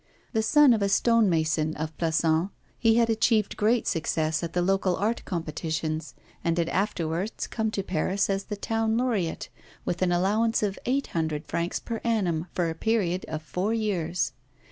The son of a stonemason of Plassans, he had achieved great success at the local art competitions, and had afterwards come to Paris as the town laureate, with an allowance of eight hundred francs per annum, for a period of four years.